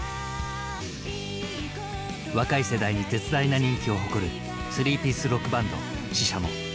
若い世代に絶大な人気を誇るスリーピースロックバンドＳＨＩＳＨＡＭＯ。